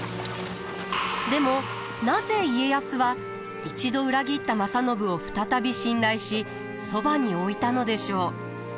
でもなぜ家康は一度裏切った正信を再び信頼しそばに置いたのでしょう？